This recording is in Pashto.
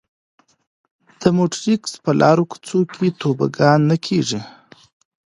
د مونټریکس په لارو کوڅو کې توبوګان نه کېږي.